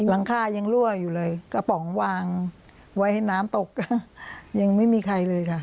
หลังคายังรั่วอยู่เลยกระป๋องวางไว้ให้น้ำตกก็ยังไม่มีใครเลยค่ะ